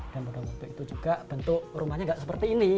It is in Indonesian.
dan juga bentuk rumahnya tidak seperti ini